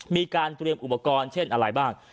มีการเตรียมอุปกรณ์เช่นอะไรบ้าง